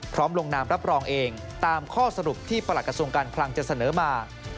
ลงนามรับรองเองตามข้อสรุปที่ประหลักกระทรวงการคลังจะเสนอมา